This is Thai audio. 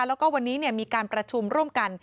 แล้วก็วันนี้มีการประชุมร่วมกัน